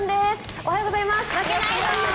おはようございます。